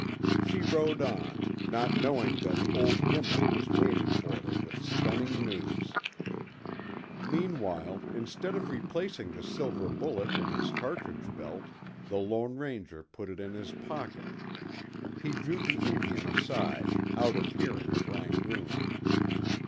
She rode on, not knowing that old Gimlet was waiting for her with stunning news. Meanwhile, instead of replacing the silver bullet in his cartridge belt, the Lone Ranger put it in his pocket. He drew the Indian aside, out of hearing of Rangoon.